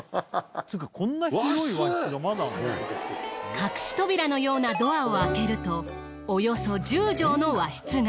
隠し扉のようなドアを開けるとおよそ１０畳の和室が。